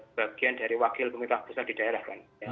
sebagian dari wakil pemintas besar di daerah